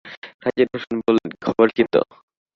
সাজ্জাদ হোসেন বললেন, খবর কি তো?